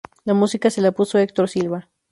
La música se la puso Hector Silva.